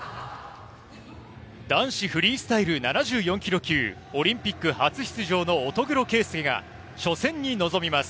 男子フリースタイル７４ｋｇ級オリンピック初出場の乙黒圭祐が初戦に臨みます。